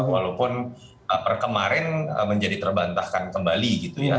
walaupun perkemarin menjadi terbantahkan kembali gitu ya